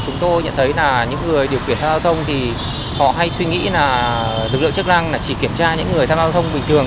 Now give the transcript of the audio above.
nhiều người điều kiện tham gia giao thông thì họ hay suy nghĩ là lực lượng chức năng chỉ kiểm tra những người tham gia giao thông bình thường